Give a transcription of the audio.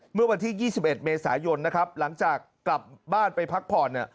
เมื่อวันที่๒๑เมษายนนะครับหลังจากกลับบ้านไปพักผ่อน